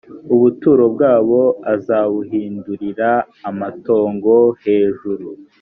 ubuturo bwabo azabuhindurira amatongo hejuru